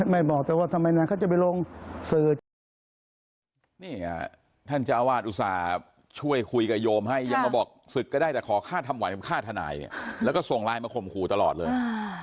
ไม่บอกแต่ว่าทำไมเนี่ยเขาจะไปลงสื่อ